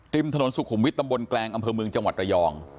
ถนนสุขุมวิทย์ตำบลแกลงอำเภอเมืองจังหวัดระยอง